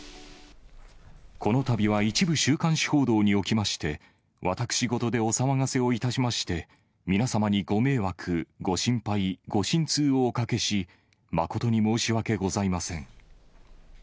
このたびは一部週刊誌報道におきまして、私事でお騒がせをいたしまして、皆様にご迷惑、ご心配、ご心痛をおかけし、誠に申し訳ございません。